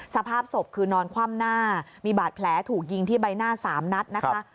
สภาพศพคือนอนคว่ำหน้ามีบาดแผลถูกยิงที่ใบหน้า๓นัดนะคะ